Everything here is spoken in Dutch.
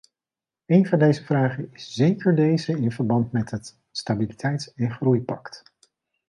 Een van deze vragen is zeker deze in verband met het stabiliteits- en groeipact.